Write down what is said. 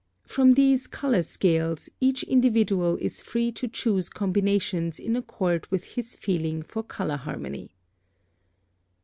From these color scales each individual is free to choose combinations in accord with his feeling for color harmony.